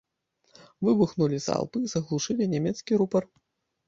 Выбухнулі залпы і заглушылі нямецкі рупар.